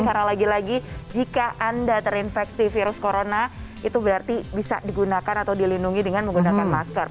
karena lagi lagi jika anda terinfeksi virus corona itu berarti bisa digunakan atau dilindungi dengan menggunakan masker